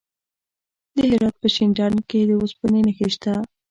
د هرات په شینډنډ کې د اوسپنې نښې شته.